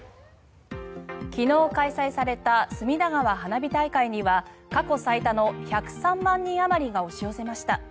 昨日開催された隅田川花火大会には過去最多の１０３万人あまりが押し寄せました。